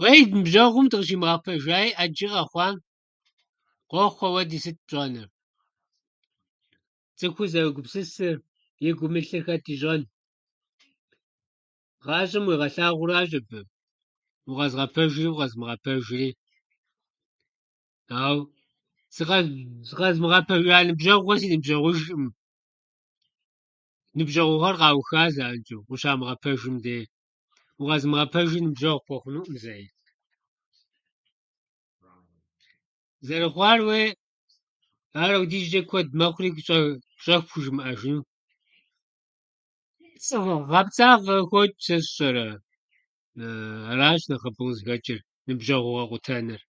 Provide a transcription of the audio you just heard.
Уей ныбжьэгъум дыкъыщимыгъэпэжаи ӏэджэ къэхъуам. Къохъу ахуэди, сыт пщӏэнур. Цӏыхур зэрыгупсысэр, и гум илъыр хэт ищӏэн. Гъащӏэм уигъэлъагъуу аращ абы укъэзыгъэпэжри укъэзымыгъэпэжри, ауэ сыкъэз- сыкъэзымыгъэпэжа ныбжьэгъухьэр си ныбжьэгъужӏым, ныбжьэгъугъэр къауха занщӏэу укъыщамыгъэпэжым дей. Укъэзымыгъэпэжыр ныбжььэгъу пхуэхъунуӏым зэи. Зэрыхъуар уей, ар апхуэдизчӏэ куэд мэхъури щӏэ- щӏэх пхыжымыӏэжын. пцӏыгъэ- Гъэпцӏагъэ къыхочӏ, сэ сщӏэрэ. Аращ нэхъыбэу къызыхэчӏыр ныбжьэгъугъэ къутэныр.